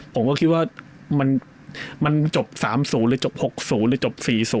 ผมก็คิดว่ามันจบ๓๐หรือจบ๖๐หรือจบ๔๐